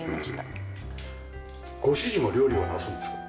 ご主人は料理はなさるんですか？